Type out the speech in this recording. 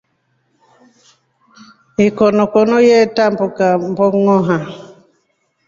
Konokone yetambuka mbongʼoha.